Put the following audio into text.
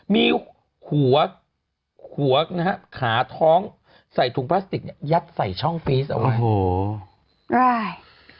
มีหัวขาท้องใส่ถุงพลาสติกเนี่ยยัดใส่ช่องฟรีสต์เอาไว้